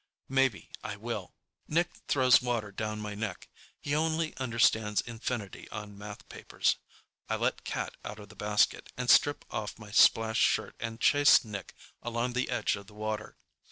Maybe I will. Nick throws water down my neck. He only understands infinity on math papers. I let Cat out of the basket and strip off my splashed shirt and chase Nick along the edge of the water.